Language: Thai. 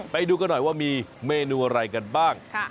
ไปดูกันหน่อยว่ามีเมนูอะไรกันบ้าง